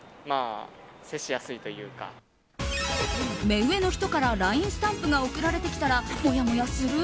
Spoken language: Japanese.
目上の人からＬＩＮＥスタンプが送られてきたらもやもやする？